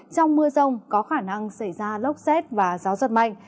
trong mưa rông có khả năng xảy ra lốc xét và gió giật mạnh